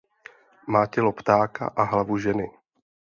Má tělo ptáka a hlavu ženy.